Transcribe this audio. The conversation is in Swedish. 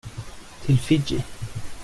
Till Fiji.